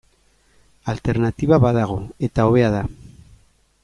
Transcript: Alternatiba badago, eta hobea da.